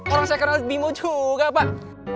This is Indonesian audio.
orang saya kenal bimo juga pak